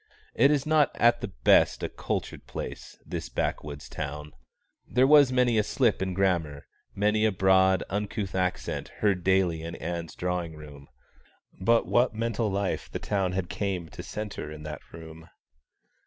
It is not at the best a cultured place, this backwoods town. There was many a slip in grammar, many a broad uncouth accent, heard daily in Ann's drawing room; but what mental life the town had came to centre in that room.